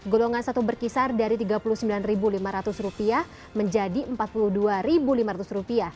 golongan satu berkisar dari rp tiga puluh sembilan lima ratus menjadi rp empat puluh dua lima ratus